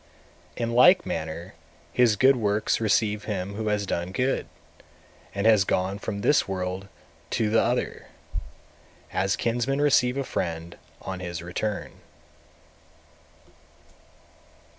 220. In like manner his good works receive him who has done good, and has gone from this world to the other; as kinsmen receive a friend on his return.